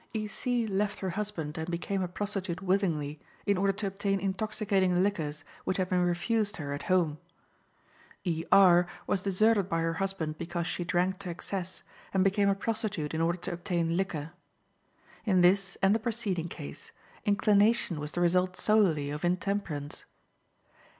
E. C. left her husband, and became a prostitute willingly, in order to obtain intoxicating liquors which had been refused her at home. E. R. was deserted by her husband because she drank to excess, and became a prostitute in order to obtain liquor. In this and the preceding case, inclination was the result solely of intemperance.